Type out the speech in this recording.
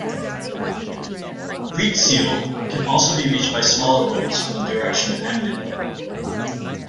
Greetsiel can also be reached by smaller boats from the direction of Emden.